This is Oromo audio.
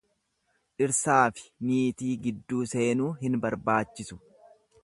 Dhirsaafi niitii gidduu seenuu hin barbaachisu.